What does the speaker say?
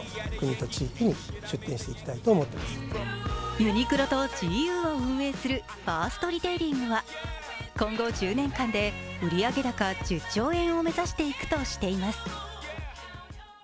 ユニクロとＧＵを運営するファーストリテイリングは今後１０年間で売上高１０兆円を目指していくとしています。